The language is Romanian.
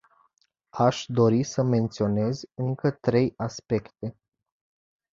Aș dori să menționez încă trei aspecte.